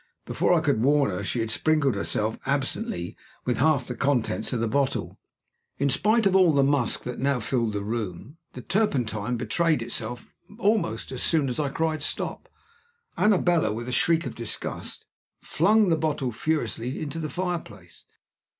Before I could warn her, she had sprinkled herself absently with half the contents of the bottle. In spite of all the musk that now filled the room, the turpentine betrayed itself almost as soon as I cried "Stop!" Annabella, with a shriek of disgust, flung the bottle furiously into the fireplace.